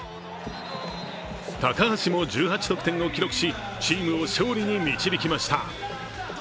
高橋も１８得点を記録しチームを勝利に導きました。